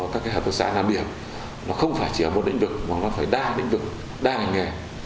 và cho các hợp tác xã nam biển nó không phải chỉ ở một lĩnh vực mà nó phải đa lĩnh vực đa ngành nghề